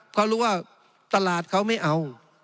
เพราะรู้ว่าตลาดเขาไม่เอา